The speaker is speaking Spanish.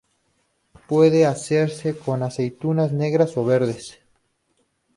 Puede hacerse con aceitunas negras o verdes.